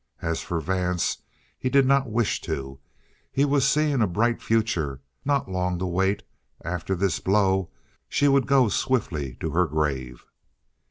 As for Vance, he did not wish to. He was seeing a bright future. Not long to wait; after this blow she would go swiftly to her grave.